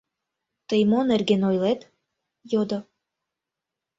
Тый мо нерген ойлет? — йодо.